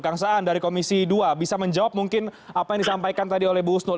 kang saan dari komisi dua bisa menjawab mungkin apa yang disampaikan tadi oleh bu husnul